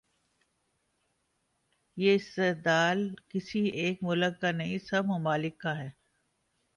یہ استدلال کسی ایک ملک کا نہیں، سب ممالک کا ہے۔